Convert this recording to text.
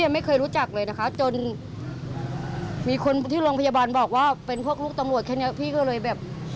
ไม่เคยค่ะน้องพี่ไม่ได้เคยมาเล่าอะไรเลยค่ะ